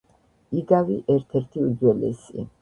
იგავი ერთ-ერთი უძველესი